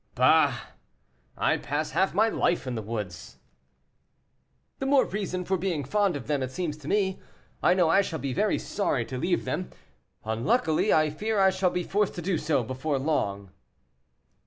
"Bah! I pass half my life in the woods." "The more reason for being fond of them, it seems to me. I know I shall be very sorry to leave them; unluckily, I fear I shall be forced to do so before long."